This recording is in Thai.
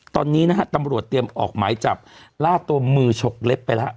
ตอนนี้นะฮะตำรวจเตรียมออกหมายจับล่าตัวมือฉกเล็บไปแล้ว